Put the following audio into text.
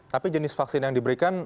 tapi jenis vaksin yang diberikan